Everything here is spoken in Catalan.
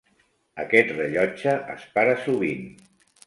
Aquest rellotge es para sovint.